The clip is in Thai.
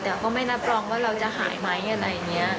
แต่ก็ไม่รับรองว่าเราจะหายไหมอะไรอย่างนี้